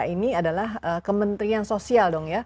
ini adalah kementerian sosial dong ya